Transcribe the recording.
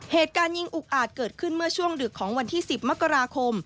เหตุการณ์ยิงอุกอาจเกิดขึ้นเมื่อช่วงดึกของวันที่๑๐มกราคม